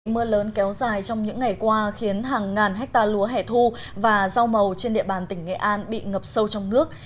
mưa lớn kéo dài trong những ngày qua khiến hàng ngàn hectare lúa hẻ thu và rau màu trên địa bàn tỉnh nghệ an bị ngập sâu trong nước